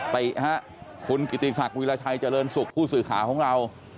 ติฮะคุณกิติศักดิราชัยเจริญสุขผู้สื่อข่าวของเรา